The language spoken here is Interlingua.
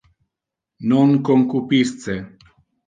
Non concupisce.